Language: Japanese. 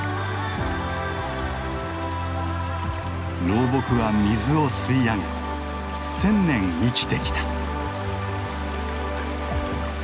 老木は水を吸い上げ１，０００年生きてきた。